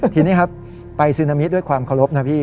ทีนี้ครับไปซึนามิด้วยความเคารพนะพี่